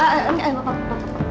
eh eh eh eh bapak bapak